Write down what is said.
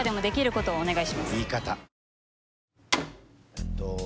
えっと。